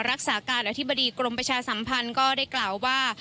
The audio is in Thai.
รักษาการอธิบดีกรมประชาสัมพันธ์ก็ได้กล่าวว่า